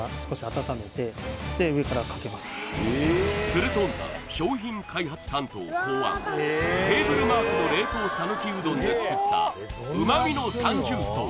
つるとんたん商品開発担当考案テーブルマークの冷凍さぬきうどんで作った旨味の三重奏！